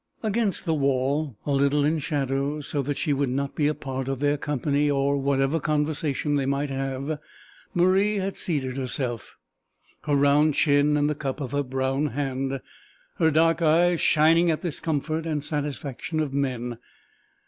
Against the wall, a little in shadow, so that she would not be a part of their company or whatever conversation they might have, Marie had seated herself, her round chin in the cup of her brown hand, her dark eyes shining at this comfort and satisfaction of men.